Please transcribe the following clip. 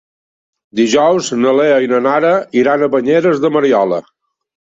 Dijous na Lea i na Nara iran a Banyeres de Mariola.